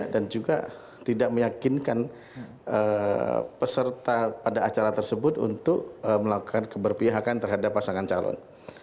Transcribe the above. dan juga tidak meyakinkan peserta pada acara tersebut untuk melakukan keberpihakan terhadap pasangan calon